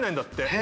え！